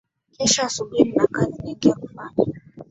Kesho asubuhi nina kazi nyingi ya kufanya.